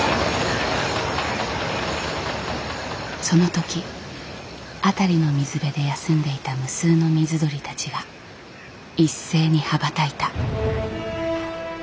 その時辺りの水辺で休んでいた無数の水鳥たちが一斉に羽ばたいた。